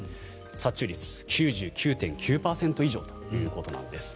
殺虫率９９．９％以上ということです。